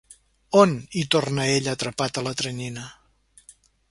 On? —hi torna ell, atrapat a la teranyina.